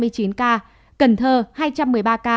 cần thơ hai trăm một mươi ba ca